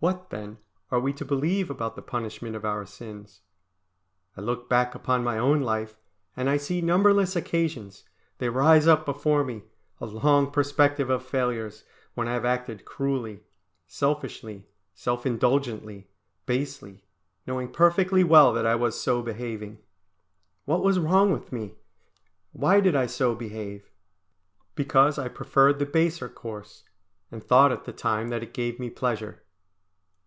What then are we to believe about the punishment of our sins? I look back upon my own life, and I see numberless occasions they rise up before me, a long perspective of failures when I have acted cruelly, selfishly, self indulgently, basely, knowing perfectly well that I was so behaving. What was wrong with me? Why did I so behave? Because I preferred the baser course, and thought at the time that it gave me pleasure.